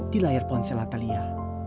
di layar ponsel atalia